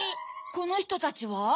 このひとたちは？